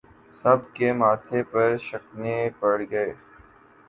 سب کے ماتھے پر شکنیں پڑ گئیں